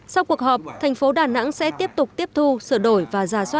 sau cuộc họp thành phố đà nẵng sẽ tiếp tục tiếp thu sửa đổi và giả soát